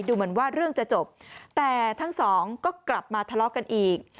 ดูเหมือนว่าเรื่องจะจบแต่ทั้งสองก็กลับมาทะเลาะกันอีก